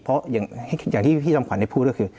เพราะอย่างที่พี่จำขวัญได้พูดก็คือ